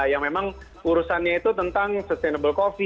yang memang urusannya itu tentang sustainable coffee